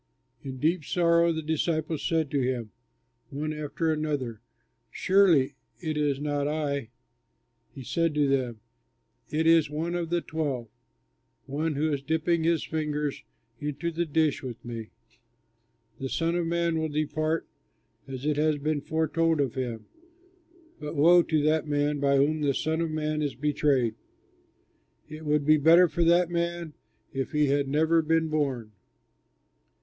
In deep sorrow the disciples said to him, one after the other, "Surely it is not I?" He said to them, "It is one of the twelve, one who is dipping his fingers into the dish with me. The Son of Man will depart as it has been foretold of him, but woe to that man by whom the Son of Man is betrayed! It would be better for that man if he had never been born!"